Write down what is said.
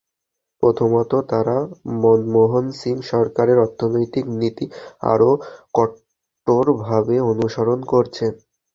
প্রথমত, তারা মনমোহন সিং সরকারের অর্থনৈতিক নীতি আরও কট্টরভাবে অনুসরণ করছে।